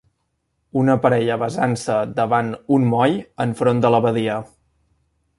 Una parella besant-se davant un moll enfront de la badia.